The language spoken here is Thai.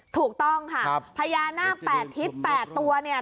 ถูกต้องค่ะพญานาค๘ทิศ๘ตัวเนี่ย